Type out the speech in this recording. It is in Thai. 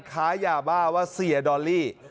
ค้ายาบ้าว่าเสียดอลลี่